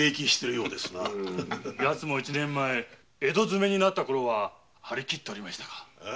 ヤツも一年前江戸詰めになったころは張り切っておりましたが。